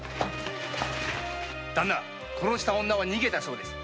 殺した女は逃げたそうです。